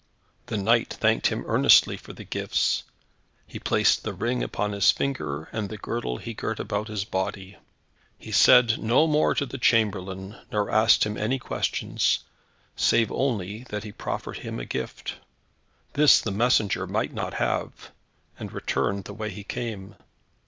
The knight thanked him earnestly for the gifts. He placed the ring upon his finger, and the girdle he girt about his body. He said no more to the chamberlain, nor asked him any questions; save only that he proffered him a gift. This the messenger might not have, and returned the way he came.